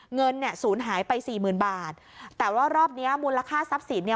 เงินเนี่ยศูนย์หายไปสี่หมื่นบาทแต่ว่ารอบเนี้ยมูลค่าทรัพย์สินเนี่ย